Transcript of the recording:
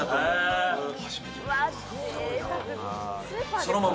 そのまま。